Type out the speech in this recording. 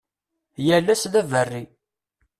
Yal ass d aberri.